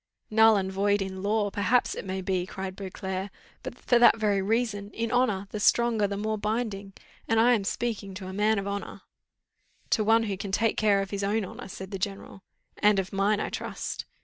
"Null and void in law, perhaps it may be," cried Beauclerc; "but for that very reason, in honour, the stronger the more binding, and I am speaking to a man of honour." "To one who can take care of his own honour," said the general. "And of mine, I trust."